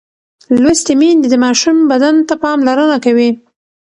لوستې میندې د ماشوم بدن ته پاملرنه کوي.